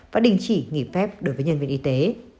và đình chỉ nghỉ phép đối với nhân viên y tế